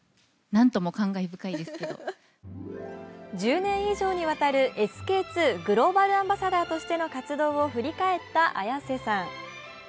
１０年以上にわたるＳＫ−Ⅱグローバルアンバサダーとしての活躍を振り返った綾瀬さん。